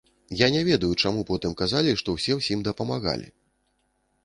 Я не ведаю, чаму потым казалі, што ўсе ўсім дапамагалі!